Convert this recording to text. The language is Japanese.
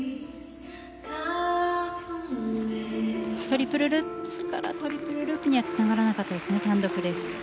トリプルルッツからトリプルループにはつながらなかったですね。